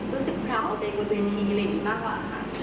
รู้สึกคราวเอาใจบนเวทีอะไรอย่างนี้มากกว่าค่ะ